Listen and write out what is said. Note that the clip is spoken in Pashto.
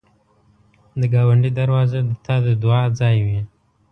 د ګاونډي دروازه د تا د دعا ځای وي